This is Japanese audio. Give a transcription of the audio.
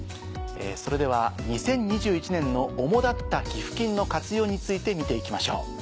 それでは２０２１年の主立った寄付金の活用について見て行きましょう。